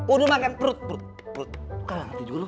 udah makan perut